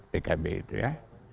empat pkb itu ya